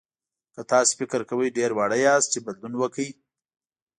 که تاسو فکر کوئ ډېر واړه یاست چې بدلون وکړئ.